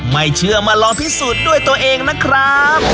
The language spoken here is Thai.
ไม่เชื่อมาลองพิสูจน์ด้วยตัวเองนะครับ